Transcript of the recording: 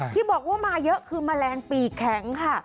ที่บอกว่ามาเยอะคือแมลงปีกแข็งค่ะ